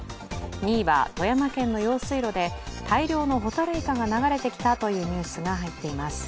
２位は、富山県の用水路で大量のほたるいかが流れてきたというニュースが入っています。